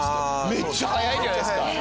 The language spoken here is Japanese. めっちゃ早いじゃないですか。